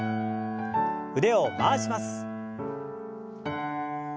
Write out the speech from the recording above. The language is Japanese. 腕を回します。